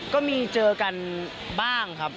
ก็มีเจอกันบ้างครับ